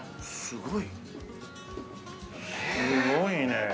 すごいねえ。